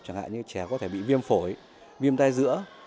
chẳng hạn như trẻ có thể bị viêm phổi viêm tai giữa